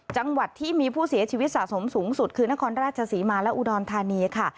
จังหวัดที่มีผู้เสียชีวิตสะสมสูงสุดคือนครราชศรีมาและอุดรธานีค่ะ